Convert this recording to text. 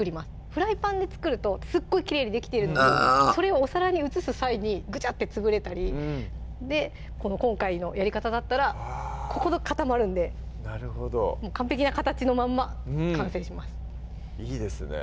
フライパンで作るとすごいきれいにできてるのにそれをお皿に移す際にぐちゃって潰れたり今回のやり方だったらここで固まるんで完璧な形のまんま完成しますいいですね